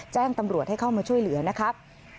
แจ้งตำรวจให้เข้ามาช่วยเหลือนะครับ